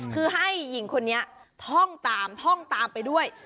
คือให้หญิงคนนี้ท่องตามท่องตามไปด้วย